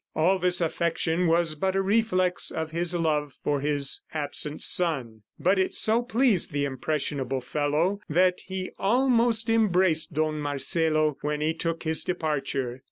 All this affection was but a reflex of his love for his absent son, but it so pleased the impressionable fellow that he almost embraced Don Marcelo when he took his departure.